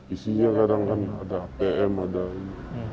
isinya kadang kan ada atm ada ini